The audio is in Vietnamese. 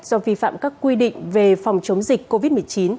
do vi phạm các quy định về phòng chống dịch covid một mươi chín